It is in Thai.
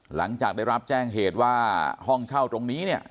หลังจากได้รับแจ้งเหตุว่าห้องเช่าตรงนี้เนี่ย